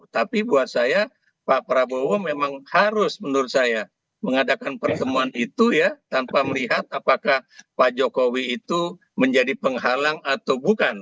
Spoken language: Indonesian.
tapi buat saya pak prabowo memang harus menurut saya mengadakan pertemuan itu ya tanpa melihat apakah pak jokowi itu menjadi penghalang atau bukan